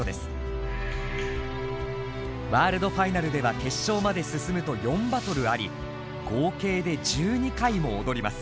ワールドファイナルでは決勝まで進むと４バトルあり合計で１２回も踊ります。